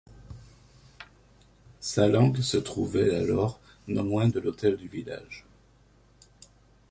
Sa langue se trouvait alors non loin de l'hôtel du village.